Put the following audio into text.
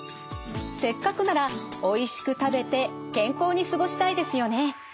せっかくならおいしく食べて健康に過ごしたいですよね。